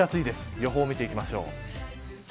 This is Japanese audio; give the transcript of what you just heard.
予報を見ていきましょう。